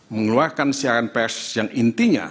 mengeluarkan siaran pers yang intinya